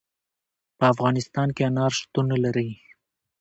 په افغانستان کې انار شتون لري.